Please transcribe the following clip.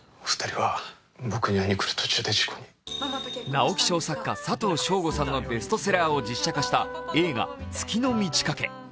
直木賞作家、佐藤正午さんのベストセラーを実写化した映画「月の満ち欠け」。